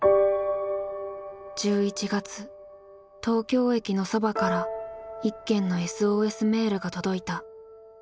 東京駅のそばから一件のＳＯＳメールが届いた。